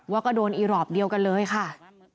ว่าก็โดนอีรอบเดียวกันเลยค่ะ